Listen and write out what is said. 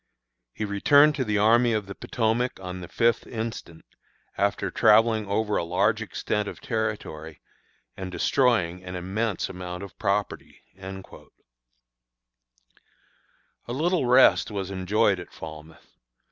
He returned to the Army of the Potomac on the fifth instant, after travelling over a large extent of territory and destroying an immense amount of property." A little rest was enjoyed at Falmouth.